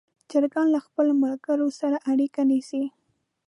چرګان له خپلو ملګرو سره اړیکه نیسي.